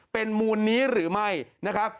เป็นมูลนี้หรือไม่นะครับ